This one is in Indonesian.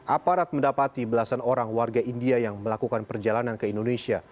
aparat mendapati belasan orang warga india yang melakukan perjalanan ke indonesia